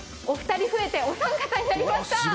お二人増えてお三方になりました。